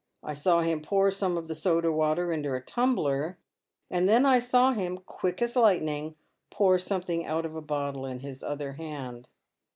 I saw him pour some of the soda water into a tumbler, and then I saw him, quick as lightning, pour something out of a bottle in his other hand.